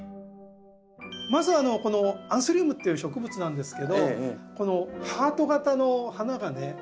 まずこのアンスリウムっていう植物なんですけどこのハート形の花がね